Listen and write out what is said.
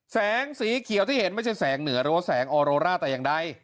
แสงสีเขียวที่เห็นไม่ใช่แสงเหนือหรือว่าแสงออโรร่าแต่อย่างใด